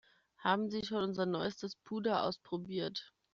Haben Sie schon unser neuestes Puder ausprobiert?